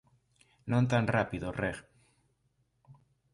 Non tan rápido, Reg.